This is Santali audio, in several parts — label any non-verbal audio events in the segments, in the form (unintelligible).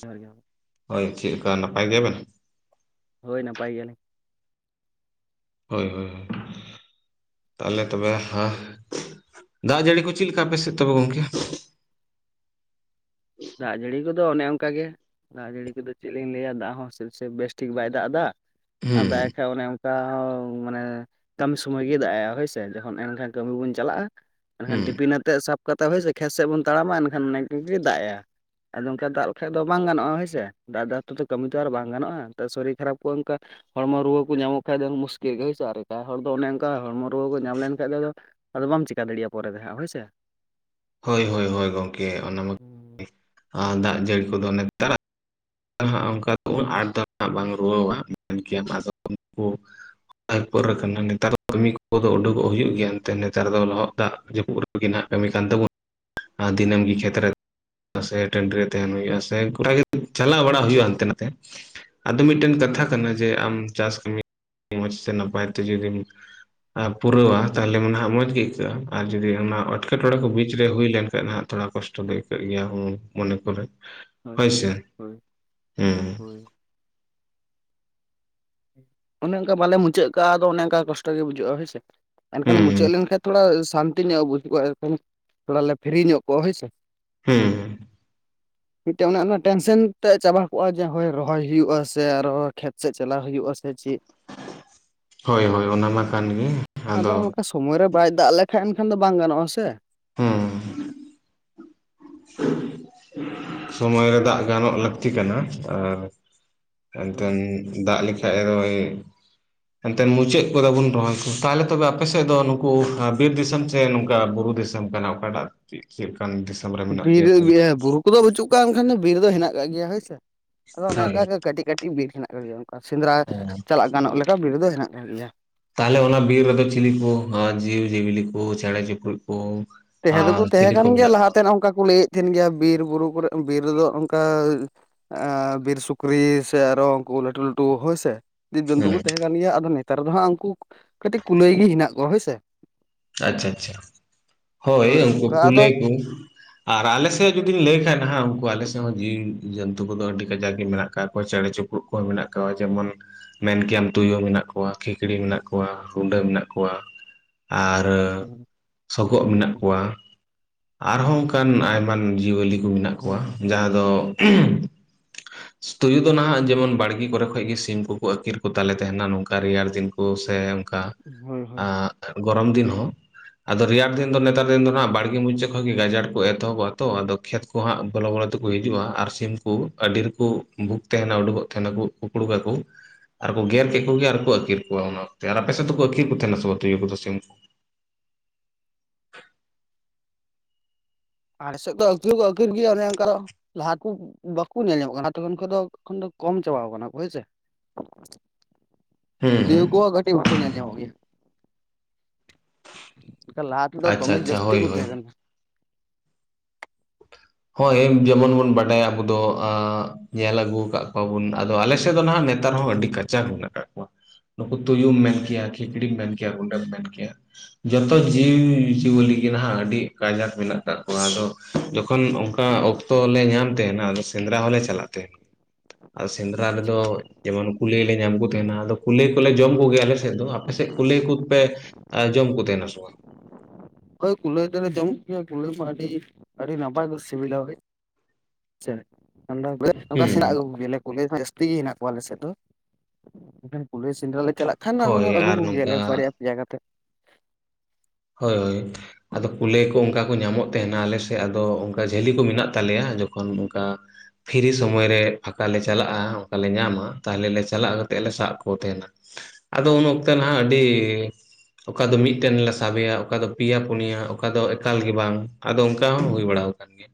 ᱡᱚᱦᱟᱨ ᱜᱮ ᱦᱳᱭ ᱪᱮᱫᱞᱮᱠᱟ ᱱᱟᱯᱟᱭ ᱜᱮᱭᱟᱵᱮᱱ᱾ ᱦᱳᱭ ᱱᱟᱯᱟᱭ ᱜᱮᱭᱟᱞᱤᱧ᱾ ᱦᱳᱭ ᱦᱳᱭ ᱦᱳᱭ᱾ ᱛᱟᱦᱚᱞᱮ ᱛᱚᱵᱮ ᱦᱮᱸ ᱫᱟᱜ ᱡᱟᱹᱲᱤ ᱠᱚ ᱪᱮᱫ ᱞᱮᱠᱟ ᱟᱯᱮ ᱥᱮᱫ ᱛᱚᱵᱮ ᱜᱚᱢᱠᱮ᱾ ᱫᱟᱜ ᱡᱟᱹᱲᱤ ᱠᱚᱫᱚ ᱚᱱᱮ ᱚᱱᱠᱟᱜᱮ᱾ ᱫᱟᱜ ᱡᱟᱹᱲᱤ ᱠᱚᱫᱚ ᱪᱮᱫ ᱞᱤᱧ ᱞᱟᱹᱭᱼᱟ ᱫᱟᱜ ᱦᱚᱸ ᱥᱮᱵ ᱥᱮᱵ ᱵᱮᱥᱴᱷᱤᱠ ᱵᱟᱭ ᱫᱟᱜ ᱮᱫᱟ ᱟᱨ ᱫᱟᱜ᱾ ᱦᱩᱸ ᱚᱱᱮ ᱚᱱᱠᱟ ᱦᱚᱸ ᱢᱟᱱᱮᱼᱼ ᱠᱟᱹᱢᱤ ᱥᱚᱢᱚᱭ ᱜᱮᱭ ᱫᱟᱜ ᱮᱜᱼᱟ ᱦᱳᱭ ᱥᱮ ᱡᱚᱠᱷᱚᱱ ᱮᱱᱠᱷᱟᱱ ᱠᱟᱹᱢᱤ ᱵᱚᱱ ᱪᱟᱞᱟᱜᱼᱟ᱾ ᱮᱱᱠᱷᱟᱱ ᱦᱩᱸ ᱴᱤᱯᱤᱱ ᱟᱛᱮᱫ ᱥᱟᱵ ᱠᱟᱛᱮᱫ ᱦᱚᱭ ᱥᱮ ᱠᱷᱮᱛ ᱥᱮᱫ ᱵᱚᱱ ᱛᱟᱲᱟᱢᱟ ᱮᱱᱠᱷᱟᱱ ᱱᱚᱝᱠᱟᱜᱮ ᱫᱟᱜ ᱮᱼᱟ᱾ ᱟᱫᱚ ᱚᱱᱠᱟ ᱫᱟᱜ ᱞᱮᱠᱷᱟᱡ ᱫᱚ ᱵᱟᱝ ᱜᱟᱱᱚᱜᱼᱟ ᱦᱳᱭᱥᱮ ᱫᱟᱜ ᱫᱟᱜ ᱛᱮ ᱠᱟᱹᱢᱤ ᱛᱚ ᱟᱨ ᱵᱟᱝ ᱜᱟᱱᱚᱜᱼᱟ ᱥᱚᱨᱤᱨ ᱠᱷᱟᱨᱟᱯ ᱠᱚᱜᱼᱟ ᱚᱱᱠᱟᱼᱼ ᱦᱚᱲᱢᱚ ᱨᱩᱣᱟᱹ ᱠᱚ ᱧᱟᱢᱚᱜ ᱠᱷᱟᱡ ᱫᱚ ᱢᱩᱥᱠᱤᱞ ᱜᱮᱭᱟ ᱦᱳᱭ ᱥᱮ ᱮᱠᱟ ᱦᱚᱲ ᱫᱚ ᱚᱱᱮ ᱚᱱᱠᱟ ᱦᱚᱲᱢᱚ ᱨᱩᱣᱟᱹ ᱠᱚ ᱧᱟᱢ ᱞᱮᱱ ᱠᱷᱟᱡ ᱫᱚ ᱟᱫᱚᱼᱼ ᱟᱫᱚ ᱵᱟᱢ ᱪᱤᱠᱟ ᱫᱟᱲᱮᱭᱟᱜᱼᱟ ᱯᱚᱨᱮ ᱛᱮ ᱦᱟᱸᱜ ᱦᱳᱭ ᱥᱮ᱾ ᱦᱳᱭ ᱦᱳᱭ ᱦᱳᱭ ᱜᱚᱢᱠᱮ ᱚᱱᱟ ᱢᱟ ᱠᱟᱱᱜᱮ ᱫᱟᱜ ᱡᱟᱹᱲᱤ ᱠᱚᱫᱚ ᱚᱱᱮ (unintelligible) (unintelligible) (unintelligible) ᱟᱠᱟᱱᱟ ᱱᱮᱛᱟᱨ ᱫᱚ ᱠᱟᱹᱢᱤ ᱠᱚᱫᱚ ᱩᱰᱩᱠᱚᱜ ᱦᱩᱭᱩᱜ ᱜᱮᱭᱟ ᱮᱱᱛᱮᱫ ᱱᱮᱛᱟᱨ ᱫᱚ ᱞᱚᱦᱚᱫ ᱫᱟᱜ ᱡᱟᱹᱯᱩᱫ ᱨᱮ᱾ (unintelligible) ᱠᱟᱹᱢᱤ ᱠᱟᱱ ᱛᱟᱵᱚᱱᱟ ᱟᱨ ᱫᱤᱱᱟᱹᱢ ᱜᱮ ᱠᱷᱮᱛ ᱨᱮ ᱥᱮ ᱴᱟᱺᱰᱤ ᱨᱮ ᱛᱟᱦᱮᱱ ᱦᱩᱭᱩᱜᱼᱟ ᱥᱮ (unintelligible) ᱪᱟᱞᱟᱣ ᱵᱟᱲᱟ ᱦᱩᱭᱩᱜᱼᱟ ᱦᱟᱱᱛᱮ ᱱᱟᱛᱮ ᱟᱫᱚ ᱢᱤᱫᱴᱮᱱ ᱠᱟᱛᱷᱟ ᱦᱳᱭ ᱠᱟᱱᱟ ᱦᱳᱭ ᱡᱮ ᱟᱢ ᱪᱟᱥ ᱠᱟᱹᱢᱤ ᱢᱚᱡᱽ ᱛᱮ ᱱᱟᱯᱟᱭ ᱛᱮ ᱡᱩᱫᱤᱢ ᱯᱩᱨᱟᱹᱣᱟ ᱛᱟᱦᱚᱞᱮ ᱢᱟᱱᱮ ᱢᱚᱸᱡᱽ ᱜᱮ ᱟᱹᱭᱠᱟᱹᱜᱼᱟ ᱟᱨ ᱡᱩᱫᱤ ᱚᱱᱟ᱾ (unintelligible) ᱮᱴᱠᱮᱴᱚᱬᱮ ᱠᱚ ᱦᱳᱭ ᱵᱤᱪ ᱨᱮ ᱦᱩᱭ ᱞᱮᱱᱠᱷᱟᱱ ᱦᱟᱹ ᱛᱷᱚᱲᱟ ᱠᱚᱥᱴᱚ ᱫᱚ ᱟᱹᱭᱠᱟᱹᱜ ᱜᱮᱭᱟ ᱦᱩᱸ ᱢᱚᱱᱮ ᱠᱚᱨᱮ᱾ ᱦᱳᱭ ᱦᱳᱭ ᱦᱮᱸ ᱦᱳᱭ᱾ ᱚᱱᱮ ᱚᱱᱠᱟ ᱵᱟᱞᱮ ᱢᱩᱪᱟᱹᱫ ᱠᱟᱜᱼᱟ ᱟᱫᱚ ᱚᱱᱮ ᱚᱱᱠᱟ ᱠᱚᱥᱴᱚ ᱜᱮ ᱵᱩᱡᱷᱟᱹᱜᱼᱟ ᱦᱳᱭᱥᱮ ᱮᱱᱠᱷᱟᱱ ᱢᱩᱪᱟᱹᱫ ᱦᱮᱸ ᱞᱮᱱᱠᱷᱟᱡᱼᱼ ᱛᱷᱚᱲᱟ ᱥᱟᱱᱛᱤ ᱧᱚᱜ ᱵᱩᱡᱷ ᱠᱚᱼᱟ (unintelligible) ᱛᱷᱚᱲᱟ ᱞᱮ ᱯᱷᱤᱨᱤ ᱧᱚᱜ ᱠᱚᱜᱼᱟ ᱦᱳᱭ ᱥᱮ᱾ ᱦᱮᱸ᱾ (inaudible) ᱢᱤᱫᱴᱮᱱ ᱚᱱᱮ ᱚᱱᱟ ᱴᱮᱱᱥᱮᱱ ᱛᱮ ᱪᱟᱵᱟ ᱠᱚᱜᱼᱟ ᱡᱮ ᱦᱳᱭ ᱨᱚᱦᱚᱭ ᱦᱩᱭᱩᱜᱼᱟ ᱥᱮ ᱟᱨ ᱦᱚᱸ ᱠᱷᱮᱛ ᱥᱮᱡ ᱪᱟᱞᱟ ᱦᱩᱭᱩᱜᱼᱟ ᱥᱮ ᱪᱮᱫ᱾ ᱦᱳᱭ ᱦᱳᱭ ᱚᱱᱟ ᱢᱟ ᱠᱟᱱ ᱜᱮ᱾ ᱟᱫᱚ ᱚᱱᱠᱟ ᱥᱚᱢᱚᱭ ᱨᱮ ᱵᱟᱭ ᱫᱟᱜ ᱞᱮᱠᱷᱟᱡ ᱮᱱᱠᱷᱟᱱ ᱫᱚ ᱵᱟᱝ ᱜᱟᱱᱚᱜᱼᱟ ᱥᱮ᱾ ᱦᱮᱸ᱾ ᱥᱚᱢᱚᱭ ᱨᱮ ᱫᱟᱜ ᱜᱟᱱᱚᱜ ᱞᱟᱹᱠᱛᱤ ᱠᱟᱱᱟ ᱟᱨ ᱮᱱᱛᱮᱱ ᱫᱟᱜ ᱞᱮᱠᱷᱟᱡ ᱫᱚᱭ ᱮᱱᱛᱮᱱ ᱢᱩᱪᱟᱹᱫ ᱠᱚᱫᱚ ᱵᱚᱱ ᱨᱚᱦᱚᱭ ᱠᱚ, ᱛᱟᱦᱚᱞᱮ ᱛᱚᱵᱮ ᱟᱯᱮᱥᱮᱫ ᱫᱚ ᱱᱩᱠᱩ ᱵᱤᱨ ᱫᱤᱥᱚᱢ ᱥᱮ ᱱᱚᱝᱠᱟ ᱵᱩᱨᱩ ᱫᱤᱥᱚᱢ? ᱠᱟᱱᱟ ᱚᱠᱟᱴᱟᱜ ᱪᱮᱫ ᱠᱟᱱ ᱫᱤᱥᱚᱢ? ᱨᱮ ᱢᱮᱱᱟᱜ ᱵᱤᱨ ᱯᱮᱭᱟ ᱟᱯᱮ ᱫᱚ? ᱮ ᱵᱩᱨᱩ ᱠᱚᱫᱚ ᱵᱟᱹᱪᱩᱜ ᱠᱚ ᱮᱠᱷᱟᱱ ᱫᱚ ᱵᱤᱨ ᱫᱚ ᱦᱮᱱᱟᱜ ᱠᱟᱜ ᱜᱮᱭᱟ ᱦᱳᱭᱥᱮ ᱟᱫᱚ ᱚᱱᱮ ᱦᱳᱭ ᱚᱱᱠᱟᱜᱮ ᱠᱟᱹᱴᱤᱡ ᱠᱟᱹᱴᱤᱡ᱾ ᱢᱤᱫᱴᱤᱡ ᱵᱤᱨ ᱦᱮᱱᱟᱜ ᱟᱠᱟᱫ ᱜᱮᱭᱟ ᱚᱱᱠᱟ ᱥᱮᱸᱫᱽᱨᱟ ᱚ ᱪᱟᱞᱟᱜ ᱜᱟᱱᱚᱜ ᱞᱮᱠᱟ ᱵᱤᱨ ᱫᱚ ᱦᱮᱱᱟᱜ ᱟᱠᱟᱫ ᱜᱮᱭᱟ᱾ ᱛᱟᱦᱚᱞᱮ ᱚᱱᱟ ᱵᱤᱨ ᱨᱮᱫᱚ ᱪᱤᱞᱤ ᱠᱚ ᱡᱤᱣᱼᱡᱤᱭᱟᱹᱞᱤ ᱠᱚ ᱪᱮᱬᱮ ᱪᱤᱯᱨᱩᱫ ᱠᱚ ᱛᱟᱦᱮᱸ ᱫᱚᱠᱚ ᱟᱨ ᱛᱟᱦᱮᱸ ᱪᱤᱞᱤ ᱠᱟᱱ ᱠᱚ ᱜᱮᱭᱟ ᱢᱮᱱᱟᱜ ᱠᱚᱣᱟ ᱞᱟᱦᱟᱛᱮᱱᱟᱜ ᱚᱱᱠᱟ ᱠᱚ ᱞᱟᱹᱭᱮᱫ ᱛᱟᱦᱮᱱ ᱜᱮᱭᱟ ᱵᱤᱨ ᱵᱩᱨᱩ ᱠᱚᱨᱮᱫ ᱵᱤᱨ ᱨᱮᱫᱚ ᱚᱱᱠᱟ ᱮ ᱵᱤᱨ ᱥᱩᱠᱨᱤ ᱥᱮ ᱟᱨᱚ ᱩᱱᱠᱩ ᱞᱟᱹᱴᱩ ᱞᱟᱹᱴᱩ ᱦᱳᱭᱥᱮ᱾ ᱡᱤᱵᱽᱼᱡᱚᱱᱛᱩ ᱦᱩᱸ ᱠᱚ ᱛᱟᱦᱮᱸ ᱠᱟᱱ ᱜᱮᱭᱟ ᱟᱫᱚ ᱱᱮᱛᱟᱨ ᱫᱚ ᱦᱟᱸᱜ ᱩᱱᱠᱩ ᱠᱟᱹᱴᱤᱡ ᱠᱩᱞᱟᱹᱭ ᱜᱮ ᱦᱮᱱᱟᱜ ᱠᱚᱣᱟ ᱦᱳᱭᱥᱮ᱾ ᱟᱪᱪᱷᱟ ᱟᱪᱪᱷᱟ ᱦᱳᱭ ᱩᱱᱠᱩ ᱚᱱᱠᱟ ᱟᱫᱚ ᱠᱩᱞᱟᱹᱭ ᱠᱚ᱾ ᱟᱨ ᱟᱞᱮᱥᱮᱫ ᱡᱩᱫᱤᱧ ᱞᱟᱹᱭ ᱠᱷᱟᱡ ᱱᱟᱦᱟᱜ ᱩᱱᱠᱩ ᱟᱞᱮᱥᱮᱫ ᱦᱚᱸ ᱡᱤᱣᱤᱼᱡᱚᱱᱛᱩ ᱠᱚᱫᱚ ᱟᱹᱰᱤ ᱠᱟᱡᱟᱜ ᱜᱮ ᱢᱮᱱᱟᱜ ᱟᱠᱟᱫ ᱠᱚᱣᱟ ᱪᱮᱬᱮ ᱪᱩᱯᱨᱩᱫ ᱠᱚ ᱢᱮᱱᱟᱜ ᱟᱠᱟᱣᱟ ᱡᱮᱢᱚᱱ ᱢᱮᱱ ᱠᱮᱭᱟᱢ ᱛᱩᱭᱩ ᱢᱮᱱᱟᱜ ᱠᱚᱣᱟ ᱠᱷᱤᱠᱲᱤ ᱢᱮᱱᱟᱜ ᱠᱚᱣᱟ ᱨᱩᱰᱟᱹ ᱢᱮᱱᱟᱜ ᱠᱚᱣᱟ᱾ ᱟᱨ ᱦᱳᱭ ᱥᱚᱜᱚᱜ ᱢᱮᱱᱟᱜ ᱠᱚᱣᱟ ᱟᱨᱦᱚᱸ ᱚᱱᱠᱟᱱ ᱟᱭᱟᱱ ᱡᱤᱭᱟᱹᱞᱤ ᱠᱚ ᱢᱮᱱᱟᱜ ᱠᱚᱣᱟ᱾ ᱡᱟᱦᱟᱸ ᱫᱚ ᱛᱩᱭᱩ ᱫᱚ ᱱᱟᱦᱟᱜ ᱡᱮᱢᱚᱱ ᱵᱟᱲᱜᱮ ᱠᱚᱨᱮ ᱠᱷᱚᱱ ᱜᱮ ᱥᱤᱢ ᱠᱚᱠᱚ ᱟᱹᱠᱤᱨ ᱠᱚᱛᱟᱞᱮ ᱛᱟᱦᱮᱱᱟ ᱱᱚᱝᱠᱟ ᱨᱮᱭᱟᱲ ᱫᱤᱱ᱾ ᱠᱚ ᱥᱮ ᱚᱱᱠᱟ ᱦᱳᱭ ᱦᱳᱭ ᱜᱚᱨᱚᱢ ᱫᱤᱱ ᱦᱚᱸ᱾ ᱟᱫᱚ ᱨᱮᱭᱟᱲ ᱫᱤᱱ ᱫᱚ ᱱᱮᱛᱟᱨ ᱫᱤᱱ ᱫᱚᱱᱟᱜ ᱵᱟᱲᱜᱮ ᱢᱩᱪᱟᱹ ᱠᱷᱚᱱᱚᱡ ᱜᱮ ᱜᱟᱡᱟᱲ ᱠᱚ ᱮᱛᱚᱦᱚᱵᱚᱜᱼᱟ ᱛᱚ ᱟᱫᱚ ᱠᱷᱮᱛ ᱩᱱᱠᱩ ᱦᱟᱸᱜ ᱵᱚᱞᱚ ᱵᱚᱞᱚ ᱛᱮᱠᱚ ᱦᱤᱡᱩᱜᱼᱟ ᱟᱨ ᱥᱤᱢ ᱠᱚ ᱟᱹᱰᱤ ᱨᱮᱠᱚ ᱵᱷᱩᱠ ᱛᱟᱦᱮᱱᱟ ᱩᱰᱩᱠᱚᱜ ᱛᱟᱦᱮᱱᱟᱠᱚ ᱠᱩᱯᱲᱩᱠ ᱟᱠᱠᱚ ᱟᱨᱠᱚ ᱜᱮᱨ ᱠᱮᱫ ᱠᱚᱜᱮ ᱟᱨᱠᱚ ᱟᱹᱠᱤᱨ ᱠᱚᱣᱟ ᱚᱱᱟ ᱚᱠᱛᱮ, ᱟᱨ ᱟᱯᱮ ᱥᱮᱫ ᱦᱳᱭ ᱫᱚᱠᱚ ᱟᱹᱠᱤᱨ ᱠᱚ ᱛᱟᱦᱮᱱᱟ ᱥᱮᱤᱭᱟᱹ ᱠᱚᱫᱚ ᱥᱤᱢ ᱠᱚ? ᱟᱞᱮᱥᱮᱫ ᱫᱚ ᱟᱠᱤᱨ ᱠᱚ ᱟᱹᱠᱷᱤᱨ ᱜᱮᱭᱟ ᱚᱱᱮᱠᱟ ᱞᱟᱦᱟ ᱠᱚ ᱵᱟᱠᱚ ᱧᱮᱞ ᱧᱟᱢᱚᱜ ᱠᱟᱱᱟ ᱞᱟᱦᱟ ᱛᱚᱚᱱ ᱠᱷᱚᱱ ᱫᱚ ᱮᱚᱱ ᱫᱚ ᱠᱚᱢ ᱪᱟᱵᱟ ᱠᱟᱱᱟ ᱦᱳᱭᱥ᱾ ᱦᱩᱸ ᱛᱟᱹᱭᱟᱹ ᱦᱩᱸ ᱠᱚᱣᱟᱜ ᱠᱟᱴᱤ ᱵᱷᱠᱩ ᱧ ᱡᱟᱢ ᱜᱮᱭᱟ᱾ ᱮᱠᱟ ᱞᱟᱦᱟ ᱛᱮᱫᱚ ᱟᱪᱪᱷᱟ ᱫᱚᱢᱮ ᱟᱪᱪᱷᱟ ᱡᱟᱹᱥᱛᱤ ᱦᱳᱭ ᱠᱚ ᱦᱳᱭ ᱛᱟᱦᱮᱸ ᱠᱟᱱᱟ᱾ ᱦᱜᱭ ᱡᱮᱢᱚᱱ ᱵᱚᱱ ᱵᱟᱰᱟᱭᱟ ᱟᱵᱚ ᱫᱚ ᱟᱸ ᱧᱮᱞ ᱟᱹᱜᱩ ᱟᱠᱟᱫ ᱠᱚᱣᱟᱵᱩᱱ ᱟᱫᱚ ᱟᱞᱮᱥᱮᱫ ᱫᱚ ᱦᱟᱜ ᱱᱮᱛᱟᱨ ᱦᱚᱸ ᱟᱹᱰᱤ ᱠᱟᱪᱟᱠ ᱢᱮᱱᱟᱜ ᱟᱠᱟᱫ ᱠᱚᱣᱟ᱾ ᱱᱩᱠᱩ ᱛᱩᱭᱩᱢ ᱢᱮᱱ ᱠᱟᱱᱟ ᱠᱮᱭᱟ ᱠᱷᱮᱠᱲᱤᱢ ᱢᱮᱱ ᱠᱮᱭᱟ ᱨᱩᱰᱟᱹ ᱢᱮᱱ ᱠᱮᱭᱟ᱾ ᱡᱚᱛᱚ ᱡᱤᱵᱽᱡᱤᱭᱟᱹᱞᱤ ᱜᱮᱮ ᱱᱟᱦᱟᱜ ᱟᱹᱰᱤ ᱠᱟᱡᱟᱠ ᱢᱮᱱᱟᱜ ᱟᱠᱟᱟᱜ ᱠᱚᱣᱟ ᱟᱫᱚ ᱡᱚᱠᱷᱚᱱ ᱚᱱᱠᱟ ᱚᱠᱛᱚ ᱞᱮ ᱧᱟᱢ ᱛᱟᱦᱮᱱᱟ ᱟ ᱥᱮᱸᱫᱽᱨᱟ ᱦᱚᱞᱮ ᱪᱟᱞᱟᱜ ᱛᱟᱦᱮᱱᱟ᱾ ᱟᱨ ᱥᱮᱸᱫᱽᱨᱟ ᱨᱮᱫᱚ ᱡᱮᱢᱚᱱ ᱠᱩᱞᱟᱹᱭ ᱞᱮ ᱧᱟᱢ ᱠᱚ ᱛᱟᱦᱮᱸᱱᱟ ᱟᱫᱚ ᱠᱩᱞᱟᱹᱭ ᱠᱚᱞᱮ ᱡᱚᱢ ᱠᱚᱜᱮᱭᱟ ᱟᱞᱮ ᱥᱮᱫ ᱫᱚ, ᱟᱯᱮ ᱥᱮᱫ ᱠᱩᱞᱟᱹᱭ ᱠᱩ ᱯᱮ ᱟ ᱡᱚᱢ ᱠᱩ ᱛᱟᱦᱮᱱᱟ ᱥᱮ ᱵᱟ? ᱦᱳᱭ ᱠᱩᱞᱟᱹᱭ ᱫᱚᱞᱮ ᱡᱚᱢ ᱠᱚᱜᱮᱭᱟ ᱠᱩᱞᱟᱹᱭ ᱢᱟ ᱟᱹᱰᱤ ᱟᱹᱰᱤ ᱱᱟᱯᱟᱭ ᱠᱚ ᱥᱤᱵᱤᱞᱟ ᱦᱳ (unintelligible) ᱚᱠᱟ ᱦᱩᱸ ᱥᱮᱱᱟᱜ ᱭᱮᱞᱮ ᱠᱚᱞᱮᱡᱽ ᱡᱟᱹᱥᱛᱤ ᱜᱮ ᱦᱮᱱᱟᱜ ᱠᱚᱣᱟ ᱟᱞᱮᱥᱮᱫ ᱫᱚ ᱮᱱᱠᱷᱟᱱ ᱠᱩᱞᱟᱹᱭ ᱥᱮᱸᱫᱽᱨᱟ ᱞᱮ ᱪᱟᱞᱟᱜ ᱠᱷᱟᱱ ᱚᱱᱟ ᱦᱳᱭ ᱦᱚᱸ ᱟᱹᱜᱩ ᱟᱨ ᱠᱚᱜᱮ ᱱᱚᱝᱠᱟ ᱭᱟᱞᱮ ᱵᱟᱨᱭᱟ ᱯᱮᱭᱟ ᱠᱟᱛᱮᱜ, ᱦᱳᱭ ᱦᱳᱭ ᱟᱫᱚ ᱠᱩᱞᱟᱹᱭ ᱠᱚ ᱚᱝᱠᱟ ᱠᱚ ᱧᱟᱢᱚᱜ ᱛᱮᱦᱮᱱᱟ ᱟᱞᱮ ᱥᱮᱫ ᱟᱫᱚ ᱚᱝᱠᱟ ᱡᱷᱟᱹᱞᱤ ᱠᱚ ᱢᱮᱱᱟᱜ ᱛᱟᱞᱮᱭᱟ ᱡᱚᱠᱷᱚᱱ ᱚᱝᱠᱟ ᱯᱷᱤᱨᱨᱤ ᱥᱚᱢᱚᱭ ᱨᱮ ᱯᱷᱟᱸᱠᱟ ᱞᱮ ᱪᱟᱞᱟᱜ-ᱟ ᱚᱝᱠᱟ ᱞᱮ ᱧᱟᱢᱟ ᱛᱟᱦᱚᱞᱮ ᱞᱮ ᱪᱟᱞᱟᱜ ᱠᱟᱛᱮᱜ ᱞᱮ ᱥᱟᱵ ᱠᱚ ᱛᱮᱦᱮᱱᱟ᱾ ᱟᱫᱚ ᱩᱱ ᱚᱠᱛᱮ ᱱᱟᱦᱜ ᱟᱹᱰᱤ ᱚᱠᱟ ᱫᱚ ᱢᱤᱫᱴᱮᱱ ᱥᱟ ᱥᱟᱵᱮᱭᱟ ᱚᱠᱟ ᱫᱚ ᱯᱮᱭᱟ ᱯᱩᱱᱭᱟ ᱚᱠᱟ ᱫᱚ ᱮᱠᱟᱞ ᱜᱮ ᱵᱟᱝ ᱟᱫᱚ ᱚᱝᱠᱟ ᱦᱚᱸ ᱦᱩᱭ ᱵᱟᱲᱟᱣ ᱟᱠᱟᱱ ᱜᱮᱭᱟ᱾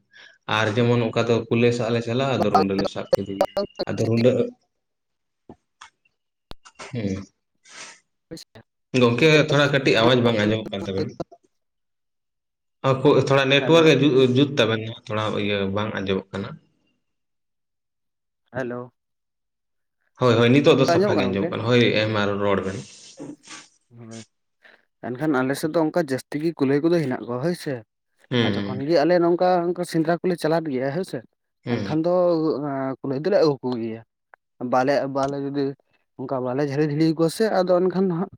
ᱟᱨ ᱡᱮᱢᱚᱱ ᱚᱠᱟ ᱫᱚ ᱠᱩᱞᱟᱹᱭ ᱥᱟᱜ ᱞᱮ ᱪᱟᱞᱟᱜ-ᱟ ᱟᱫᱚ ᱨᱩᱸᱰᱟᱹ ᱞᱮ ᱥᱟᱵ ᱠᱮᱫᱮᱜᱤ ᱟᱫᱚ ᱨᱩᱰᱟᱹ ᱦᱩᱸ ᱯᱳᱭᱥᱟ ᱜᱚᱝᱠᱮ ᱛᱷᱚᱲᱟ ᱠᱟᱹᱴᱤᱡ ᱟᱣᱟᱡᱽ ᱵᱟᱝ ᱟᱸᱡᱚᱢᱚᱜ ᱠᱟᱱ ᱛᱟᱵᱮᱱᱟ ᱟᱹᱠᱩ ᱛᱷᱚᱲᱟ ᱦᱮᱞᱳ ᱱᱮᱴᱚᱣᱟᱨᱠ ᱮ ᱡᱩᱛ ᱛᱟᱵᱮ ᱛᱷᱚᱲᱟ ᱤᱭᱟᱹ ᱵᱟᱝ ᱟᱸᱡᱚᱢᱚᱜ ᱠᱟᱱᱟ ᱦᱮᱞᱳ ᱦᱳᱭ ᱦᱳᱭ ᱱᱤᱛᱚᱜ ᱫᱚ ᱥᱟᱯᱷᱟ ᱜᱮ ᱟᱸᱡᱚᱢᱚᱜ ᱠᱟᱱᱟ ᱦᱳᱭ ᱮ ᱢᱟ ᱨᱚᱲ ᱵᱮᱱ ᱦᱳᱭ ᱮᱱᱠᱷᱟᱱ ᱟᱞᱮ ᱥᱮᱫ ᱫᱚ ᱚᱝᱠᱟ ᱡᱟᱹᱥᱛᱤ ᱜᱮ ᱠᱩᱞᱦᱟᱹᱭ ᱠᱚᱫᱚ ᱦᱮᱱᱟᱜ ᱠᱚᱣᱟ ᱦᱳᱭ ᱥᱮ ᱟᱨ ᱦᱩᱸ ᱡᱚᱠ ᱦᱩᱸ ᱠᱷᱚᱱ ᱜᱮ ᱟᱞᱮ ᱱᱚᱝᱠᱟ ᱱᱚᱝᱠᱟ ᱥᱮᱸᱫᱽᱨᱟ ᱠᱚᱞᱮ ᱪᱟᱞᱟᱫ ᱜᱮᱭᱟ ᱦᱮᱸ ᱥᱮ ᱦᱩᱸ ᱮᱱᱠᱷᱟᱱ ᱫᱚ ᱠᱩᱞᱟᱹᱭ ᱫᱚᱞᱮ ᱟᱹᱜᱩ ᱠᱚᱜᱮ ᱜᱮᱭᱟ᱾ ᱵᱟᱞᱮ ᱵᱟᱞᱮ ᱡᱩᱫᱤ ᱚᱝᱠᱟ ᱵᱟᱞᱮ ᱡᱷᱟᱹᱞᱤ ᱫᱟᱹᱲᱤᱭ ᱠᱚᱣᱟ ᱥᱮ ᱟᱫᱚ ᱮᱱᱠᱷᱟᱱ ᱫᱚ ᱦᱟᱸᱜ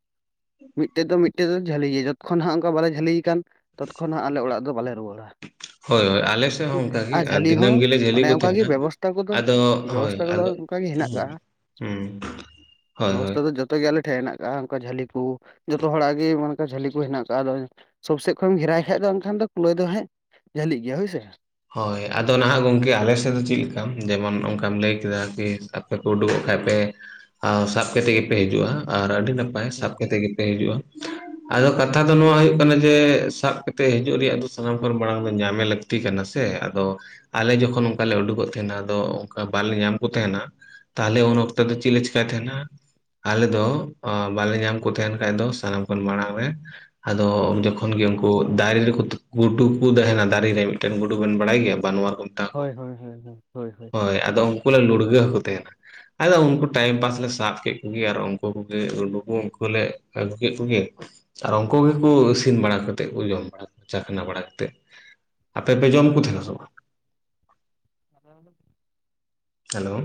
ᱢᱤᱫᱴᱮᱡ ᱫᱚ ᱢᱤᱫᱴᱮᱡ ᱫᱚ ᱡᱷᱟᱹᱞᱤᱭᱟ ᱡᱚᱛᱽᱠᱷᱚᱱ ᱦᱟᱸᱜ ᱚᱱᱠᱟ ᱵᱟᱞᱮ ᱡᱷᱟᱹᱞᱤᱭᱮ ᱠᱟᱱ ᱛᱚᱛᱠᱷᱚᱱ ᱦᱟᱸᱜ ᱟᱞᱮ ᱚᱲᱟᱜ ᱫᱚ ᱵᱟᱞᱮ ᱨᱩᱣᱟᱹᱲᱟ᱾ ᱦᱳᱭ ᱦᱳᱭ ᱟᱞᱮ ᱥᱮᱫ ᱦᱚᱸ ᱦᱳᱭ ᱥᱮ ᱚᱱᱠᱟ ᱜᱮ ᱟᱨ ᱡᱷᱟᱹᱞᱤ ᱦᱚᱸ ᱫᱤᱱᱟᱹᱢ ᱜᱮᱞᱮ ᱡᱷᱟᱹᱞᱤ ᱚᱱᱮ ᱠᱚ ᱚᱱᱠᱟ ᱜᱮ ᱛᱟᱦᱮᱱᱟ ᱵᱮᱵᱚᱥᱛᱟ ᱠᱚᱫᱚ ᱟᱫᱚ ᱦᱳᱭ ᱵᱮᱵᱚᱥᱛᱟ ᱠᱚᱫᱚ ᱟᱫᱚ ᱠᱟ ᱜᱮ ᱦᱮᱱᱟᱜ ᱠᱟᱜ-ᱟ, ᱦᱩᱸ ᱦᱳᱭ ᱦᱳᱭ ᱵᱮᱵᱚᱥᱛᱟ ᱫᱚ ᱡᱚᱛᱚ ᱜᱮ ᱟᱞᱮ ᱴᱷᱮᱡ ᱦᱮᱱᱟᱜ ᱠᱟᱜ-ᱟ᱾ ᱠᱟ ᱡᱷᱟᱹᱞᱤ ᱠᱩ ᱡᱚᱛᱚ ᱦᱚᱲᱟᱜ ᱜᱮ ᱚᱱᱠᱟ ᱡᱷᱟᱹᱞᱤ ᱠᱚ ᱦᱮᱱᱟᱜ ᱠᱟᱜ-ᱟ ᱟᱫᱚ ᱥᱳᱵ ᱥᱮᱫ ᱠᱷᱚᱡ ᱮᱢ ᱜᱷᱮᱨᱟᱭ ᱠᱷᱟᱡ ᱫᱚ ᱮᱝᱠᱷᱟᱱ ᱫᱚ ᱠᱩᱞᱟᱹᱭ ᱫᱚ ᱦᱟᱸᱜ ᱡᱷᱟᱹᱞᱤᱜ ᱜᱮᱭᱟ ᱦᱳᱭᱥᱮ, ᱦᱳᱭ ᱟᱫᱚ ᱱᱟᱦᱟᱜ ᱜᱚᱝᱠᱮ ᱟᱞᱮ ᱥᱮᱫ ᱫᱚ ᱪᱮᱫ ᱞᱮᱠᱟ ᱡᱮᱢᱚᱱ ᱚᱱᱠᱟᱢ ᱞᱟᱹᱭ ᱠᱮᱫᱟ ᱟᱨᱠᱤ ᱩᱰᱩᱠᱚᱜ ᱠᱷᱟᱡ ᱯᱮ ᱥᱟᱵ ᱠᱟᱛᱮ ᱜᱮᱯᱮ ᱦᱤᱡᱩᱜ-ᱟ ᱟᱨ ᱟᱹᱰᱤ ᱱᱟᱯᱟᱭ ᱦᱳᱭ ᱥᱟᱵ ᱠᱟᱛᱮ ᱜᱮ ᱯᱮ ᱦᱤᱡᱩᱜ-ᱟ᱾ ᱟᱫᱚ ᱠᱟᱛᱷᱟ ᱫᱚ ᱱᱚᱣᱟᱭᱩᱜ ᱠᱟᱱᱟ ᱡᱮ ᱥᱟᱵ ᱠᱟᱛᱮᱜ ᱦᱤᱡᱩᱜ ᱨᱮᱭᱟᱜ ᱫᱚ ᱥᱟᱱᱟᱢ ᱠᱷᱚᱱ ᱢᱟᱲᱟᱝ ᱫᱚ ᱧᱟᱢᱮ ᱞᱟᱹᱠᱛᱤ ᱠᱟᱱᱟ ᱛᱮ ᱟᱫᱚ ᱟᱞᱮ ᱡᱚᱠᱷᱚᱱ ᱚᱱᱠᱟ ᱞᱮ ᱩᱰᱩᱠᱚᱜ ᱛᱟᱦᱮᱱᱟ ᱟᱫᱚ ᱚᱝᱠᱟ ᱵᱟᱞᱮ ᱧᱟᱢ ᱠᱚ ᱛᱟᱦᱮᱱᱟ, ᱛᱟᱦᱞᱮ ᱩᱱ ᱚᱠᱛᱚ ᱫᱚ ᱪᱤᱜ ᱞᱮ ᱪᱤᱠᱟᱭ ᱛᱟᱦᱮᱱᱟ ᱟᱞᱮ ᱫᱚ ᱵᱟᱞᱮ ᱧᱟᱢ ᱠᱚ ᱛᱟᱦᱮᱱ ᱠᱷᱟᱡ ᱫᱚ ᱥᱟᱱᱟᱢ ᱠᱷᱚᱱ ᱢᱟᱲᱟᱝ ᱨᱮ ᱟᱫᱚ ᱡᱚᱠᱷᱚᱱ ᱜᱮ ᱩᱝᱠᱩ ᱫᱟᱨᱤ ᱨᱮᱠᱚ ᱜᱩᱰᱩ ᱠᱩ ᱛᱟᱦᱮᱱᱟ ᱫᱟᱨᱤ ᱨᱮ ᱢᱤᱫᱴᱮᱱ ᱜᱩ ᱵᱮᱱ ᱵᱟᱲᱟᱭ ᱜᱮᱭᱟ ᱵᱟᱱᱣᱟᱨ ᱠᱚ ᱢᱮᱛᱟᱣ ᱠᱚ ᱦᱳᱭ ᱦᱳᱭ ᱦᱳᱭ ᱦᱳᱭ ᱟᱫᱚ ᱩᱱᱠᱩ ᱞᱮ ᱞᱩᱲᱜᱟᱹᱣ ᱠᱩ ᱛᱮᱦᱮᱱᱟ᱾ ᱟᱫᱚ ᱩᱱᱠᱩ ᱴᱟᱭᱤᱢ ᱯᱟᱥ ᱞᱮ ᱥᱟᱵ ᱠᱮᱫ ᱠᱚᱜᱮ ᱟᱨ ᱩᱱᱠᱩ ᱠᱚᱜᱮ ᱜᱩᱰᱩ ᱠᱚ ᱩᱱᱠᱩᱞᱮ ᱟᱹᱜᱩ ᱠᱮᱫ ᱠᱩᱜᱮ ᱟᱨ ᱩᱝᱠᱩ ᱜᱮᱠᱩ ᱤᱥᱤᱱ ᱵᱟᱲᱟ ᱠᱟᱛᱮᱫ ᱠᱚ ᱡᱚᱢ ᱵᱟᱲᱟ ᱪᱟᱠᱷᱱᱟ ᱵᱟᱲᱟ ᱠᱟᱛᱮᱫ, ᱛᱮᱯᱮ ᱡᱚᱢ ᱠᱩ ᱛᱟᱦᱮᱱᱟ ᱥᱮ ᱵᱟ? (unintelligible) ᱦᱮᱞᱳ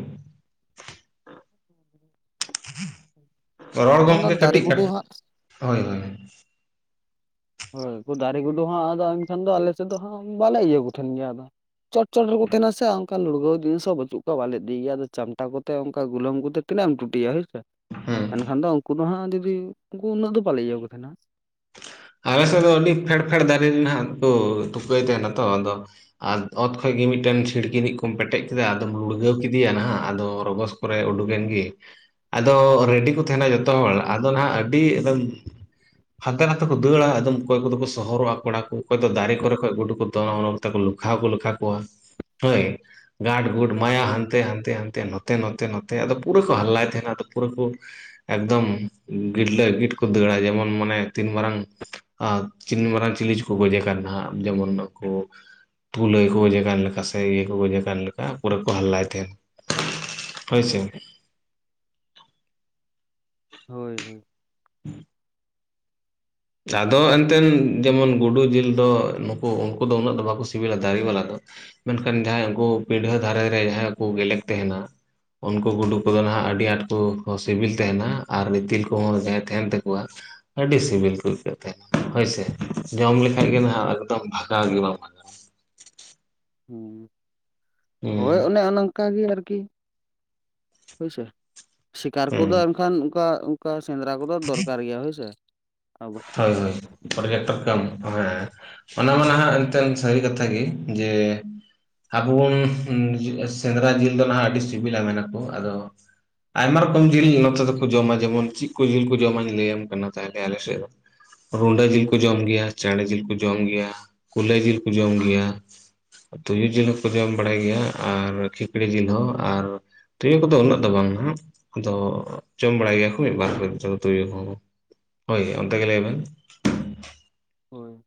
(inaudible) ᱨᱚᱲ ᱠᱷᱟᱱ ᱫᱚ ᱜᱚᱝᱠᱮ ᱫᱟᱨᱮ ᱠᱟᱹᱴᱤᱜ ᱜᱩᱰᱩ ᱦᱟᱸᱜ (inaudible) ᱦᱳᱭ ᱜᱚᱝᱠᱮ ᱦᱳᱭ ᱫᱟᱨᱮ ᱜᱩᱰᱩ ᱦᱟᱸᱜ ᱟᱫᱚ ᱮᱱᱠᱷᱟᱱ ᱫᱚ ᱟᱞᱮ ᱥᱮᱫ ᱫᱚ ᱦᱟᱸᱜ ᱵᱟᱞᱮ ᱤᱭᱟᱹ ᱠᱚ ᱛᱟᱦᱮᱸᱱ ᱜᱮᱭᱟ ᱟᱫᱚ ᱪᱚᱴ ᱪᱚᱴ ᱨᱮᱠᱚ ᱛᱟᱦᱮᱸᱱᱟ ᱥᱮ ᱚᱱᱠᱟ ᱞᱩᱲᱜᱟᱹᱣ ᱡᱤᱱᱤᱥ ᱦᱚᱸ ᱵᱟᱪᱩᱜ ᱠᱚᱣᱟ ᱵᱟᱞᱮᱤᱫᱤᱭ ᱜᱮᱭᱟ ᱟᱫᱚ ᱪᱟᱢᱴᱟ ᱠᱚ ᱛᱮ ᱚᱝᱠᱟ ᱜᱩᱞᱟᱢ ᱠᱚᱛᱮ ᱛᱤᱱᱟᱹᱜ ᱮᱢ ᱴᱩᱴᱤᱭᱟ ᱦᱳᱭ ᱥᱮ᱾ ᱦᱮᱸ ᱮᱱᱠᱷᱟᱱ ᱫᱚ ᱩᱱᱠᱩ ᱫᱚ ᱦᱟᱸᱜ ᱡᱩᱫᱤ ᱩᱱᱠᱩ ᱩᱱᱟᱹᱜ ᱫᱚ ᱵᱟᱞᱮ ᱤᱭᱟᱹ ᱠᱚ ᱛᱟᱦᱮᱸᱱᱟ᱾ ᱟᱞᱮᱥᱮᱫ ᱫᱚ ᱟᱹᱰᱤ ᱯᱷᱮᱲ ᱯᱷᱮᱲ ᱫᱟᱨᱮ ᱨᱮ ᱱᱟᱦᱟᱸᱜ ᱠᱚ ᱛᱩᱠᱟᱹᱭ ᱛᱟᱦᱮᱸᱱᱟ ᱛᱚ ᱟᱫᱚ ᱟᱨ ᱚᱛ ᱠᱷᱚᱭ ᱜᱮ ᱢᱤᱜᱴᱮᱱ ᱪᱷᱤᱲᱠᱤᱱᱤ ᱠᱚᱢ ᱯᱮᱴᱮᱜ ᱠᱮᱫᱟ ᱟᱫᱚᱢ ᱞᱩᱲᱜᱟᱹᱣ ᱠᱮᱫᱮᱭᱟ ᱱᱟᱦᱟᱸᱜ ᱟᱫᱚ ᱨᱚᱜᱚᱥ ᱠᱚᱨᱮ ᱩᱰᱩᱠ ᱜᱮᱱ ᱜᱤ ᱟᱫᱚ ᱨᱮᱰᱤ ᱠᱚ ᱛᱟᱦᱮᱸᱱᱟ ᱡᱚᱛᱚ ᱦᱚᱲ ᱟᱫᱚ ᱱᱟᱦᱟᱸᱜ ᱟᱹᱰᱤ ᱮᱠᱫᱚᱢ ᱦᱟᱱᱛᱮ ᱱᱟ ᱛᱮ ᱠᱚ ᱫᱟᱹᱲᱟ ᱟᱫᱚᱢ ᱚᱠᱚᱭ ᱠᱚᱫᱚ ᱠᱚ ᱥᱚᱦᱚᱨᱚᱜᱼᱟ ᱠᱚᱲᱟ ᱠᱚ ᱚᱠᱚᱭ ᱫᱚ ᱫᱟᱨᱮ ᱠᱚᱨᱮ ᱠᱷᱚᱭ ᱜᱩᱰᱩ ᱠᱚ ᱫᱚᱱ (unintelligible) ᱞᱚᱠᱷᱟ ᱦᱚᱸᱠᱩ ᱞᱟᱠᱷᱟ ᱠᱚᱣᱟ ᱦᱳᱭ ᱜᱟᱰ ᱜᱩᱰ ᱢᱟᱭᱟ ᱦᱳᱭ ᱦᱟᱱᱛᱮ ᱦᱳᱭ ᱦᱟᱱᱛᱮ ᱱᱚ ᱛᱮ ᱱᱚᱛᱮ ᱱᱚᱛᱮ ᱟᱫᱚ ᱯᱩᱨᱟᱹ ᱠᱚ ᱦᱟᱞᱞᱟᱭ ᱛᱟᱦᱮᱸᱱᱟ ᱟᱫᱚ ᱯᱩᱨᱟᱹ ᱠᱚ ᱮᱠᱫᱚᱢ ᱜᱤᱴᱞᱟᱹ ᱜᱤᱴ ᱠᱚ ᱫᱟᱹᱲᱟ ᱡᱮᱢᱚᱱ ᱢᱟᱱᱮ ᱛᱤᱱ ᱢᱟᱨᱟᱝ ᱟᱸ ᱛᱤᱱ ᱢᱟᱨᱟᱝ ᱪᱤᱞᱤᱪᱚᱠᱚ ᱜᱚᱡᱮ ᱠᱟᱱ ᱱᱟᱦᱟᱸᱜ ᱡᱮᱢᱚᱱ ᱱᱩᱠᱩ ᱠᱩᱞᱟᱹᱭ ᱠᱚ ᱜᱚᱡᱮ ᱠᱟᱱ ᱞᱮᱠᱟ ᱥᱮ ᱤᱭᱟᱹ ᱠᱚ ᱜᱚᱡᱮ ᱠᱟᱱ ᱞᱮᱠᱟ ᱯᱩᱨᱟᱹ ᱠᱚ ᱦᱟᱞᱞᱟᱭ ᱛᱟᱦᱮᱸᱱ᱾ ᱦᱳᱭ ᱥᱮ, ᱦᱳᱭ ᱦᱳᱭ, (inaudible) ᱟᱫᱚ ᱮᱱᱛᱮᱱ ᱡᱮᱢᱚᱱ ᱜᱩᱰᱩ ᱡᱤᱞ ᱫᱚ ᱱᱩᱠᱩ ᱩᱱᱠᱩ ᱫᱚ ᱩᱱᱟᱹᱜ ᱫᱚ ᱵᱟᱠᱚ ᱥᱤᱵᱤᱞᱟ ᱫᱟᱨᱤ ᱵᱟᱞᱟ ᱫᱚ᱾ ᱢᱮᱱᱠᱷᱟᱱ ᱡᱟᱦᱟᱸᱭ ᱩᱱᱠᱩ ᱯᱤᱰᱷᱟᱹ ᱫᱷᱟᱨᱮ ᱨᱮ ᱡᱟᱦᱟᱸᱭ ᱠᱚ ᱜᱮᱞᱮᱠᱚ ᱛᱟᱦᱮᱸᱱᱟ ᱩᱱᱠᱩ ᱜᱩᱰᱩ ᱠᱚᱫᱚ ᱱᱟᱦᱟᱸᱜ ᱟᱹᱰᱤ ᱟᱸᱴ ᱠᱚ ᱥᱤᱵᱤᱞ ᱛᱟᱦᱮᱸᱱᱟ ᱟᱨ ᱤᱛᱤᱞ ᱠᱚᱦᱚᱸ ᱡᱟᱦᱟᱸᱭ ᱛᱟᱦᱮᱸᱱ ᱛᱟᱠᱚᱣᱟ᱾ ᱟᱹᱰᱤ ᱥᱤᱵᱤᱞ ᱠᱚ ᱟᱹᱭᱠᱟᱹᱜ ᱛᱟᱦᱮᱸᱱᱟ ᱦᱳᱭᱥᱮ ᱡᱚᱢ ᱞᱮᱠᱟᱭ ᱜᱮ ᱱᱟᱦᱟᱸᱜ ᱮᱠᱫᱚᱢ ᱵᱷᱟᱜᱟᱣ ᱜᱮ ᱵᱟᱝ ᱦᱩᱸ ᱦᱩᱸ ᱦᱳᱭ ᱚᱱᱮ ᱚᱱᱟᱝ ᱚᱱᱠᱟ ᱜᱮ ᱟᱨᱠᱤ ᱦᱳᱭᱥᱮ ᱥᱤᱠᱟᱨ ᱦᱩᱸ ᱠᱚᱫᱚ ᱮᱱᱠᱷᱟᱱ ᱚᱱᱠᱟ ᱚᱱᱠᱟ ᱥᱮᱸᱫᱽᱨᱟ ᱠᱚᱫᱚ ᱫᱚᱨᱠᱟᱨ ᱜᱮᱭᱟ ᱦᱳᱭᱥᱮ᱾ ᱟᱵᱚ ᱦᱳᱭ ᱦᱚᱭ ᱯᱟᱨᱡᱮᱴᱟᱠᱟᱢ ᱢᱟᱱᱮ ᱚᱱᱟ ᱢᱟ ᱱᱟᱦᱟᱸᱜ ᱮᱱᱛᱮᱱ ᱥᱟᱹᱨᱤ ᱠᱟᱛᱷᱟ ᱜᱤ ᱡᱮ ᱟᱵᱚ ᱵᱚᱱ ᱥᱮᱸᱫᱽᱨᱟ ᱡᱤᱞ ᱫᱚ ᱱᱟᱦᱟᱸᱜ ᱟᱹᱰᱤ ᱥᱤᱵᱤᱞᱟ ᱢᱮᱱᱟᱠᱩ ᱟᱫᱚ ᱟᱭᱢᱟ ᱨᱚᱠᱚᱢ ᱡᱤᱞ ᱱᱚᱛᱮ ᱫᱚᱠᱚ ᱡᱚᱢᱟ ᱡᱮᱢᱚᱱ ᱪᱮᱜ ᱠᱚ ᱡᱤᱞ ᱠᱚ ᱡᱚᱢᱟ ᱞᱟᱹᱭᱟᱢ ᱠᱟᱱᱟ ᱛᱟᱦᱚᱞᱮ ᱟᱞᱮᱥᱮᱜ ᱫᱚ᱾ ᱨᱩᱰᱟᱹ ᱡᱤᱞ ᱠᱚ ᱡᱚᱢ ᱜᱮᱭᱟ ᱪᱮᱬᱮ ᱡᱤᱞ ᱠᱚ ᱡᱚᱢ ᱜᱮᱭᱟ ᱠᱩᱞᱟᱹᱭ ᱡᱤᱞ ᱠᱚ ᱡᱚᱢ ᱜᱮᱭᱟ ᱛᱩᱭᱩ ᱡᱤᱞ ᱦᱚᱸᱠᱚ ᱡᱚᱢ ᱵᱟᱲᱟᱭ ᱜᱮᱭᱟ ᱟᱨ ᱠᱷᱤᱠᱲᱤ ᱡᱤᱞ ᱦᱚᱸ ᱟᱨ ᱛᱩᱭᱩ ᱠᱚᱫᱚ ᱩᱱᱟᱹᱜ ᱫᱚ ᱵᱟᱝ ᱱᱟᱦᱟᱸᱜ ᱟᱫᱚ ᱡᱚᱢ ᱵᱟᱲᱟᱭ ᱜᱮᱭᱟ ᱠᱚ ᱢᱤᱫ ᱵᱟᱨ (unintelligible) ᱛᱩᱭᱩ ᱠᱚ ᱚᱱᱛᱮ ᱜᱮ ᱞᱟᱹᱭ ᱢᱮ? ᱦᱳᱭ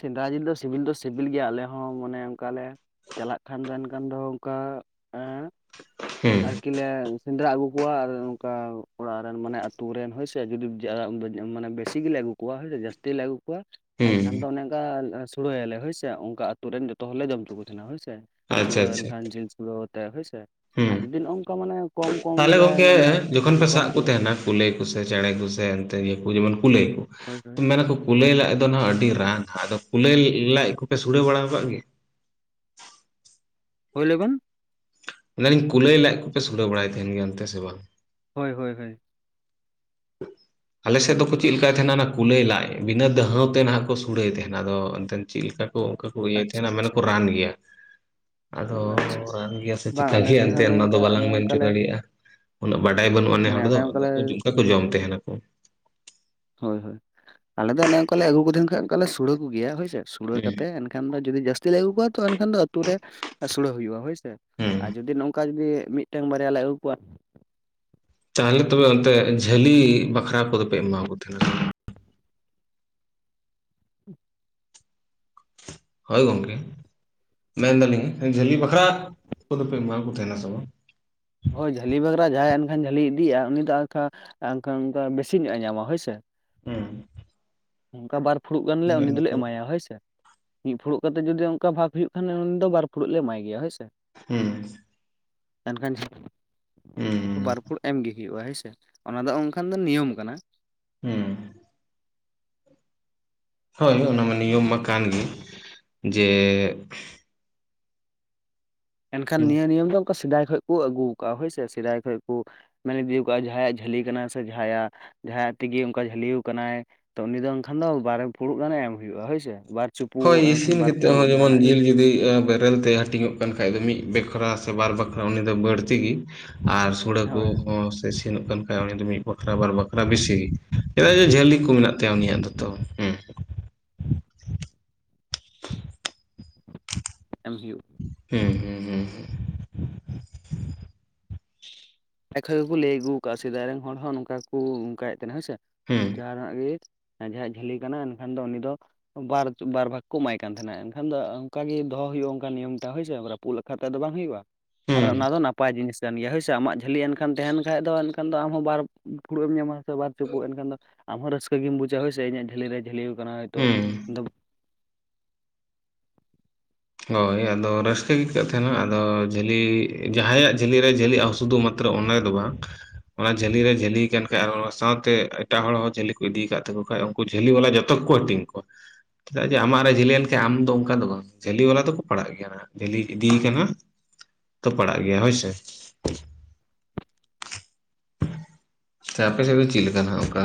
ᱥᱮᱸᱫᱨᱟ ᱡᱤᱞ ᱫᱚ ᱥᱤᱵᱤᱞ ᱫᱚ ᱥᱤᱵᱤᱞ ᱜᱮᱭᱟ ᱟᱞᱮ ᱦᱚᱸ ᱢᱚᱱᱮ ᱚᱱᱠᱟᱞᱮ ᱪᱟᱞᱟᱜ ᱠᱷᱟᱱᱫ ᱫᱚ ᱮᱠᱷᱟᱱ ᱫᱚ ᱚᱱᱠᱟ ᱮᱸ ᱦᱩᱸ ᱟᱨᱠᱤ ᱞᱮ ᱥᱮᱸᱫᱽᱨᱟ ᱟᱹᱜᱩ ᱠᱚᱣᱟ ᱟᱨ ᱚᱱᱠᱟ ᱚᱲᱟᱜ ᱨᱮᱱ ᱢᱟᱱᱮ ᱟᱛᱩᱨᱮᱱ ᱦᱳᱭ ᱥᱮ ᱡᱩᱫᱤ (unintelligible) ᱢᱟᱱᱮ ᱵᱮᱥᱤ ᱜᱮᱞᱮ ᱟᱹᱜᱩ ᱠᱚᱣᱟ ᱦᱳᱭᱥᱮ ᱡᱟᱹᱥᱛᱤ ᱜᱮᱞᱮ ᱟᱹᱜᱩ ᱠᱚᱣᱟ ᱦᱩᱸ ᱮᱱᱠᱷᱟᱱ ᱫᱚ ᱚᱱᱮ ᱚᱱᱠᱟ ᱥᱩᱲᱟᱹᱭᱟᱞᱮ ᱦᱳᱭᱥᱮ ᱚᱱᱠᱟ ᱟᱛᱳ ᱨᱮᱱ ᱡᱚᱛᱚ ᱦᱚᱲᱞᱮ ᱡᱚᱢ ᱦᱚᱪᱚ ᱠᱚ ᱛᱟᱦᱮᱸᱱᱟ ᱦᱳᱭᱥᱮ᱾ ᱥᱩᱲᱟ‌ᱹ ᱮᱱᱠᱷᱟᱱ ᱡᱮᱞ ᱥᱩᱲᱟᱹ ᱣᱟᱛᱮ ᱦᱳᱭᱥᱮ, ᱟᱨ ᱡᱩᱫᱤ ᱱᱚᱜ ᱱᱚᱝᱠᱟ ᱢᱟᱱᱮ ᱠᱚᱢ ᱠᱚᱢ ᱦᱩᱹ᱾ᱛᱟᱦᱚᱞᱮ ᱡᱟᱦᱟᱸᱭ ᱜᱚᱝᱠᱮ ᱢᱟᱱᱮ ᱡᱚᱠᱷᱚᱱ ᱯᱮ ᱠᱚᱢ ᱥᱟᱵ ᱠᱚ ᱛᱩᱞᱟᱹᱜ ᱛᱟᱦᱮᱸᱱᱟ ᱠᱩᱞᱟᱹᱭ ᱠᱚᱥᱮ ᱪᱮᱬᱮ ᱠᱚᱥᱮ ᱮᱱᱛᱮ ᱱᱤᱭᱟᱹ ᱠᱚ ᱡᱮᱢᱚᱱ ᱠᱩᱞᱟᱹᱭ ᱠᱚ ᱦᱳᱭ ᱦᱳᱭ ᱢᱮᱱᱟ ᱠᱚ ᱠᱩᱞᱟᱹᱭ ᱞᱟᱡ ᱫᱚ ᱱᱟᱸᱜ ᱟᱹᱰᱤ ᱨᱟᱱ ᱟᱫᱚ ᱠᱩᱞᱟᱹᱭ ᱞᱟᱡ ᱠᱚᱯᱮ ᱥᱩᱲᱟᱹ ᱵᱟᱲᱟ ᱠᱟᱜ ᱜᱮᱭᱟ? ᱦᱩᱭ‌ ᱞᱟᱹᱭᱵᱮᱱ? ᱢᱮᱱᱫᱤᱧ ᱠᱩᱞᱟᱹᱭ ᱞᱟᱡ ᱠᱚᱯᱮ ᱥᱩᱲᱟᱹ ᱵᱟᱲᱟᱭ ᱛᱟᱦᱮᱱ ᱜᱮᱭᱟ ᱚᱱᱛᱮ ᱥᱮ ᱵᱟᱝ ᱦᱳᱭ ᱦᱳᱭ ᱦᱳᱭ ᱟᱞᱮᱥᱮᱫ ᱫᱚᱠᱚ ᱪᱮᱫ ᱞᱮᱠᱟᱭ ᱛᱟᱦᱮᱱᱟ ᱚᱱᱟ ᱠᱩᱞᱟᱹᱭ ᱞᱟᱡ, ᱵᱤᱱᱟᱹ ᱫᱟᱹᱦᱟᱹᱣ ᱛᱮ ᱱᱟᱦᱟᱜ ᱠᱚ ᱥᱩᱲᱟᱹᱭ ᱛᱟᱦᱮᱱᱟ ᱾ ᱟᱫᱚ ᱮᱱᱛᱮ ᱪᱮᱫ ᱞᱮᱠᱟ ᱠᱚ ᱚᱱᱠᱟ ᱠᱚ ᱤᱭᱟᱹᱭ ᱛᱟᱦᱮᱱ ᱟᱪᱪᱷᱟ ᱢᱟᱱᱮ ᱟᱪᱪᱷᱟ ᱠᱚ ᱨᱟᱱ ᱜᱮᱭᱟ᱾ ᱟᱫᱚ ᱟᱪᱪᱷᱟ ᱨᱟᱱ ᱜᱮᱭᱟ ᱥᱮ ᱵᱟᱝ ᱪᱤᱠᱟᱹᱭ ᱟᱞᱮ ᱜᱮᱭᱟ ᱥᱮᱫ ᱦᱚᱸ ᱮᱱᱛᱮᱫ ᱚᱱᱮ ᱚᱱᱟ ᱫᱚ ᱚᱱᱠᱟ ᱵᱟᱞᱟᱝ ᱚᱱᱮ ᱢᱮᱱ ᱦᱚᱪᱚ ᱚᱱᱠᱟᱞᱮ ᱫᱟᱲᱮᱭᱟᱜᱼᱟ᱾ ᱩᱱᱟᱹᱜ ᱵᱟᱰᱟᱭ ᱵᱟᱹᱱᱩᱜ-ᱟ ᱱᱮ ᱢᱟᱱᱮ ᱦᱚᱲ ᱫᱚ ᱚᱱᱮ ᱟᱫᱚ ᱚᱱᱠᱟᱞᱮ ᱚᱱᱠᱟ ᱠᱚ ᱡᱚᱢ ᱛᱟᱦᱮᱱᱟᱠᱚ᱾ ᱦᱳᱭ ᱦᱳᱭ ᱟᱞᱮ ᱚᱱᱮ ᱚᱱᱠᱟ ᱞᱮ ᱟᱹᱜᱩ ᱠᱚᱛᱮ ᱠᱷᱟᱱ ᱚᱱᱠᱟ ᱞᱮ ᱥᱩᱲᱟᱹ ᱠᱚᱜᱮᱭᱟ ᱦᱳᱭ ᱥᱮ, ᱥᱩᱲᱟᱹ ᱦᱩᱸ ᱠᱟᱛᱮ ᱮᱱᱠᱷᱟᱱ ᱫᱚ ᱡᱩᱫᱤ ᱡᱟᱹᱥᱛᱤ ᱞᱮ ᱟᱹᱜᱩ ᱠᱚᱣᱟ ᱛᱚ ᱮᱱᱠᱷᱟᱱ ᱫᱚ ᱟᱛᱳ ᱨᱮ ᱥᱩᱲᱟᱹ ᱦᱩᱭᱩᱜ-ᱟ ᱦᱳᱭᱥᱮ, ᱦᱩᱸ ᱟᱨ ᱡᱩᱫᱤ ᱱᱚᱝᱠᱟ ᱚᱱᱠᱟ ᱡᱩᱫᱤ ᱢᱤᱫᱴᱟᱝ ᱵᱟᱨᱭᱟ ᱞᱮ ᱟᱹᱜᱩ ᱠᱚᱣᱟ ᱛᱟᱦᱚᱞᱮ ᱛᱚᱵᱮ ᱚᱱᱛᱮ ᱡᱷᱟᱹᱞᱤ ᱵᱟᱠᱷᱨᱟ ᱠᱚᱫᱚᱯᱮ ᱮᱢᱟ ᱠᱚ ᱛᱟᱦᱮᱱᱟ ᱥᱮ ᱵᱟᱝ ᱾ ᱦᱳᱭ ᱜᱚᱢᱠᱮ ᱢᱮᱱ ᱫᱟᱞᱤᱧ ᱡᱷᱟᱹᱞᱤ ᱵᱟᱠᱷᱨᱟ ᱠᱚᱫᱚᱯᱮ ᱮᱢᱟ ᱠᱚ ᱛᱟᱦᱮᱱᱟ ᱥᱮ ᱵᱟᱝ ᱦᱳᱭ ᱡᱷᱟᱹᱞᱤ ᱵᱷᱟᱠᱨᱟ ᱡᱟᱦᱟᱸᱭ ᱮᱱᱠᱷᱟᱱ ᱡᱷᱟᱹᱞᱤ ᱤᱫᱤᱜ-ᱟ ᱩᱱᱤ ᱫᱚ ᱚᱝᱠᱟ ᱵᱮᱥᱤ ᱧᱚᱜ-ᱮ ᱧᱟᱢᱟ ᱦᱳᱭᱥᱮ᱾ ᱦᱮᱸ ᱚᱱᱠᱟ ᱵᱟᱨ ᱯᱷᱩᱲᱩᱜ ᱜᱟᱱᱞᱮ ᱩᱱᱤ ᱫᱚᱞᱮ ᱮᱢᱟᱭᱟ ᱦᱳᱭ ᱥᱮ᱾ ᱢᱤᱫ ᱯᱷᱩᱲᱩᱜ ᱠᱟᱛᱮᱫ ᱡᱩᱫᱤ ᱚᱱᱠᱟ ᱵᱷᱟᱜᱽ ᱦᱩᱭᱩᱜ ᱠᱷᱟᱱ ᱩᱱᱤ ᱫᱚ ᱵᱟᱨ ᱯᱷᱩᱲᱩᱜ ᱞᱮ ᱮᱢᱟᱭ ᱜᱮᱭᱟ ᱦᱳᱭ ᱥᱮ᱾ ᱦᱮᱸ ᱮᱱᱠᱷᱟᱱ ᱦᱩᱸ (inaudible) ᱵᱟᱨ ᱯᱷᱩᱲᱩᱜ ᱮᱢᱜᱮ ᱦᱩᱭᱩᱜᱼᱟ ᱦᱩᱭᱥᱮ ᱚᱱᱟ ᱫᱚ ᱚᱱᱠᱟᱱ ᱫᱚ ᱱᱤᱭᱚᱢ ᱠᱟᱱᱟ᱾ ᱦᱮᱸ ᱦᱳᱭ ᱚᱱᱟ ᱢᱟ ᱱᱤᱭᱚᱢ ᱢᱟ ᱠᱟᱱ ᱜᱮ, ᱡᱮᱹ ᱮᱱᱠᱷᱟᱱ ᱱᱤᱭᱟᱹ ᱱᱤᱭᱚᱢ ᱫᱚ ᱚᱱᱠᱟ ᱥᱮᱫᱟᱭ ᱠᱷᱚᱱ ᱠᱚ ᱟᱹᱜᱩ ᱠᱟᱜᱼᱟ ᱦᱳᱭᱥᱮ ᱾ ᱥᱮᱫᱟᱭ ᱠᱷᱚᱱ ᱠᱚ ᱢᱮᱱ ᱤᱫᱤ ᱠᱟᱜᱼᱟ ᱡᱟᱦᱟᱸᱭᱟᱜ ᱡᱷᱟᱹᱞᱤ ᱠᱟᱱᱟ ᱥᱮ ᱡᱟᱦᱟᱸᱭᱟᱜ ᱡᱟᱦᱟᱸᱭᱟᱜ ᱛᱮᱜᱮ ᱚᱱᱠᱟ ᱡᱷᱟᱹᱞᱤᱣ ᱟᱠᱟᱱᱟᱭ ᱛᱚ ᱩᱱᱤ ᱫᱚ ᱮᱱᱠᱷᱟᱱ ᱫᱚ ᱵᱟᱨ ᱯᱷᱩᱲᱩᱜ ᱜᱟᱱᱮ ᱮᱢ ᱦᱩᱭᱩᱜ-ᱟ ᱦᱳᱭᱥᱮ᱾ ᱦᱳᱭ ᱤᱥᱤᱱ ᱠᱟᱛᱮᱫ ᱦᱚᱸ ᱡᱮᱢᱚᱱ ᱡᱤᱞ ᱡᱩᱫᱤ ᱵᱮᱨᱮᱞ ᱛᱮ ᱦᱟ ᱦᱟᱹᱴᱤᱧᱚᱜ ᱠᱟᱱ ᱠᱷᱟᱡ ᱫᱚ ᱢᱤᱫ ᱵᱟᱠᱷᱨᱟ ᱥᱮ ᱵᱟᱨ ᱵᱟᱠᱷᱨᱟ ᱩᱱᱤ ᱫᱚ ᱵᱟᱹᱲᱛᱤ ᱜᱮ, ᱟᱨ ᱥᱩᱲᱟᱹ ᱦᱳᱭ ᱦᱳᱭ ᱠᱚᱦᱚᱸ ᱥᱮ ᱥᱮᱱᱚᱜ ᱠᱟᱱ ᱠᱷᱟᱡ ᱩᱱ ᱫᱚ ᱢᱤᱫ ᱵᱟᱠᱷᱨᱟ ᱵᱟᱨ ᱵᱟᱠᱷᱨᱟ ᱵᱮᱥᱤ, ᱪᱮᱫᱟᱜ ᱡᱮ ᱡᱷᱟᱹᱞᱤ ᱠᱚ ᱢᱮᱱᱟᱜ ᱛᱟᱭᱟ ᱩᱱᱤᱭᱟᱜ ᱫᱚᱛᱚ ᱦᱩᱸ ᱮᱢ ᱦᱩᱭᱩᱜ ᱦᱮᱸ ᱦᱮᱸ ᱦᱮᱸ ᱦᱮᱸ᱾ (unintelligible) ᱮᱠᱷᱚᱱ ᱜᱮᱠᱚ ᱞᱟᱹᱭ ᱟᱹᱜᱩ ᱠᱟᱜᱼᱟ ᱥᱮᱫᱟᱭ ᱨᱮᱱ ᱦᱚᱲ ᱦᱚᱸ ᱱᱚᱝᱠᱟ ᱠᱚ ᱱᱚᱝᱠᱟᱭᱮᱫ ᱛᱟᱦᱮᱱᱟ ᱦᱮᱸᱥᱮ, ᱦᱩᱸ ᱡᱟᱦᱟᱸᱱᱟᱜ ᱜᱮ ᱡᱟᱦᱟᱸᱭᱟᱜ ᱡᱷᱟᱹᱞᱤ ᱠᱟᱱᱟ ᱮᱱᱠᱷᱟᱱ ᱫᱚ ᱩᱱᱤ ᱫᱚ ᱵᱟᱨ ᱵᱟᱨ ᱵᱷᱟᱜᱽ ᱠᱚ ᱮᱢᱟᱭ ᱠᱟᱱ ᱛᱟᱦᱮᱱᱟ, ᱮᱱᱠᱷᱟᱱ ᱫᱚ ᱚᱱᱠᱟ ᱜᱮ ᱫᱚᱦᱚ ᱦᱩᱭᱩᱜ-ᱟ ᱚᱱᱠᱟ ᱱᱤᱭᱚᱢ ᱴᱟᱜ ᱦᱳᱭᱥᱮ, ᱨᱟ ᱯᱩᱫ ᱞᱮᱠᱷᱟᱱ ᱛᱚ ᱟᱫᱚ ᱵᱟᱝ ᱦᱩᱭᱩᱜ-ᱟ, ᱟᱨ ᱦᱩᱸ, ᱚᱱᱟ ᱫᱚ ᱱᱟᱯᱟᱭ ᱡᱤᱱᱤᱥ ᱠᱟᱱ ᱜᱮᱭᱟ ᱦᱳᱭᱥᱮ, ᱟᱢᱟᱜ ᱡᱷᱟᱹᱞᱤ ᱮᱱᱠᱷᱟᱱ ᱛᱟᱦᱮᱱ ᱠᱷᱟᱡ ᱫᱚ ᱮᱱᱠᱷᱟᱱ ᱫᱚ ᱟᱢᱦᱚᱸ ᱵᱟᱨ ᱯᱷᱩᱲᱩᱜ ᱮᱢ ᱧᱟᱢᱟ ᱥᱮ ᱵᱟᱨ ᱪᱩᱯᱩᱫ ᱮᱱᱠᱷᱟᱱ ᱫᱚ ᱟᱢᱦᱚᱸ ᱨᱟᱹᱥᱠᱟᱹ ᱜᱮᱢ ᱵᱩᱡᱟ ᱦᱳᱭ ᱥᱮ ᱤᱧᱟᱜ ᱡᱷᱟᱹᱞᱤ ᱨᱮ ᱡᱷᱟᱹᱞᱤᱣ ᱟᱠᱟᱱᱟ ᱦᱚᱭᱛᱚ ᱦᱩᱸ᱾ ᱦᱳᱭ ᱟᱫᱚ ᱨᱟᱹᱥᱠᱟᱹ ᱜᱮ ᱟᱹᱭᱠᱟᱹᱜ ᱛᱟᱦᱮᱱᱟ ᱟᱫᱚ ᱡᱷᱟᱹᱞᱤ ᱡᱟᱦᱟᱸᱭᱟᱜ ᱡᱷᱟᱹᱞᱤ ᱨᱮ ᱡᱷᱟᱹᱞᱤ ᱟᱨ ᱥᱩᱫᱩ ᱢᱟᱛ ᱨᱚ ᱚᱱᱟᱫᱚ ᱵᱟᱝ᱾ ᱚᱱᱟ ᱡᱷᱟᱹᱞᱤ ᱨᱮ ᱡᱷᱟᱹᱞᱤ ᱠᱟᱱ ᱠᱷᱟᱡ ᱟᱨ ᱚᱱᱟ ᱥᱟᱶᱛᱮ ᱮᱴᱟᱜ ᱦᱚᱲ ᱦᱚᱸ ᱡᱷᱟᱹᱞᱤ ᱠᱚ ᱤᱫᱤ ᱟᱠᱟᱫ ᱛᱟᱠᱚ ᱠᱷᱟᱡ ᱡᱷᱟᱹᱞᱤ ᱵᱟᱞᱟ ᱡᱚᱛᱚ ᱠᱚᱠᱚ ᱦᱟᱹᱴᱤᱧ ᱠᱚᱣᱟ ᱪᱮᱫᱟᱜ ᱡᱮ ᱟᱢᱟᱜ ᱨᱮ ᱡᱷᱟᱹᱞᱤ ᱞᱮᱱᱠᱷᱟᱱ ᱟᱢ ᱫᱚ ᱚᱱᱠᱟ ᱫᱚ ᱵᱟᱝ ᱡᱷᱟᱹᱞᱤ ᱵᱟᱞᱟ ᱫᱚᱠᱚ ᱯᱟᱲᱟᱜ ᱜᱮᱭᱟ ᱱᱟᱦᱟᱜ ᱡᱷᱟᱹᱞᱤ ᱤᱫᱤ ᱠᱟᱱᱟ ᱛᱚ ᱯᱟᱲᱟᱜ ᱜᱮᱭᱟ ᱦᱳᱭᱥᱮ᱾ ᱥᱮ ᱟᱯᱮ ᱥᱮᱫ ᱫᱚ ᱪᱮᱫ ᱞᱮᱠᱟᱱᱟ ᱚᱱᱠᱟ